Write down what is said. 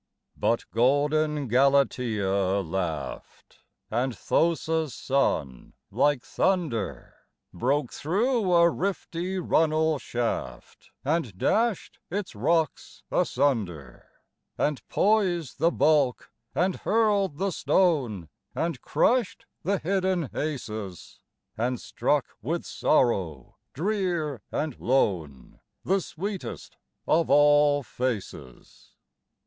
But golden Galatea laughed, and Thosa's son, like thunder, Broke through a rifty runnel shaft, and dashed its rocks asunder, And poised the bulk, and hurled the stone, and crushed the hidden Acis, And struck with sorrow drear and lone the sweetest of all faces.